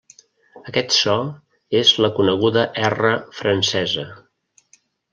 Aquest so és la coneguda erra francesa.